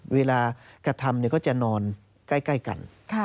เวลากระทำก็จะนอนใกล้กัน